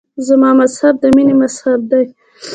زما مذهب د مینې مذهب دی.